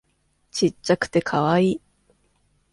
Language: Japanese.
ちっちゃくてカワイイ